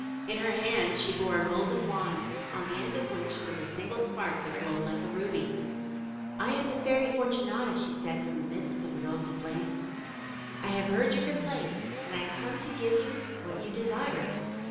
In her hand she bore a little golden wand, on the end of which was a single spark that glowed like a ruby. "I am the Fairy Fortunata/' said she from the midst of the rosy flames. I have heard your complaints and am come to give you what you desire.